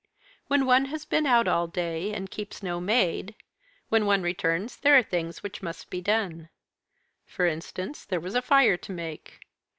When one has been out all day, and keeps no maid, when one returns there are things which must be done. For instance, there was a fire to make.